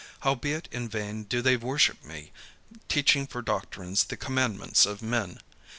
Howbeit in vain do they worship me, teaching for doctrines the commandments of men.'